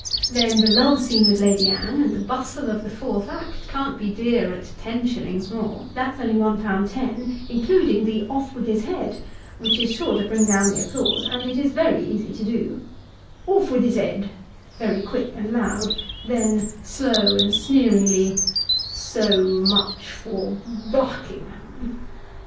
Then the love scene with Lady Anne, and the bustle of the fourth act can't be dear at ten shillings more that's only one pound ten, including the " off with his head !" which is sure to bring down the applause, and it is very easy to do " Orf with his ed " (very quick and loud ; then slow and sneeringly) " So much for Bu u u uckinghain